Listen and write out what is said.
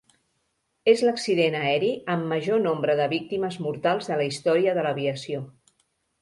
És l'accident aeri amb major nombre de víctimes mortals de la història de l'aviació.